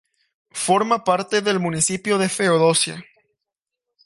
Forma parte del Municipio de Feodosia.